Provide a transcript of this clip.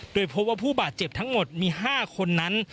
โดยพบว่าผู้บาดเจ็บทั้งหมดมี๕คนนั้น